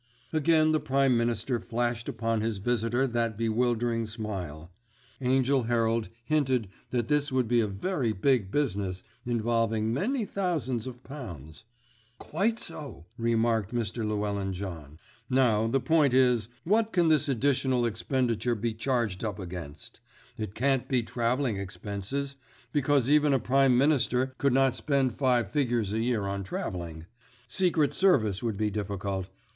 Again the Prime Minister flashed upon his visitor that bewildering smile. Angell Herald hinted that this would be a very big business, involving many thousands of pounds. "Quite so," remarked Mr. Llewellyn John. "Now, the point is, what can this additional expenditure be charged up against? It can't be travelling expenses, because even a Prime Minister could not spend five figures a year on travelling. Secret Service would be difficult.